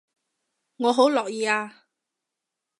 我好樂意啊